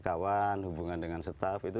kawan hubungan dengan staff itu